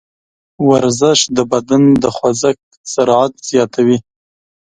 ورزش د بدن د خوځښت سرعت زیاتوي.